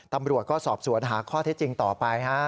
ตำรวจก็สอบสวนหาข้อเท็จจริงต่อไป